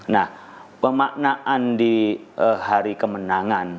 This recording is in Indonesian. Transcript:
nah pemaknaan di hari kemenangan